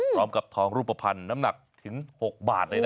พร้อมกับทองรูปภัณฑ์น้ำหนักถึง๖บาทเลยนะ